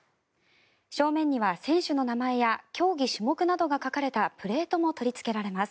正面には選手の名前や競技・種目などが書かれたプレートも取りつけられます。